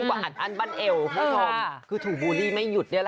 มาอ่านเล็กพอร์ตในคอมเม้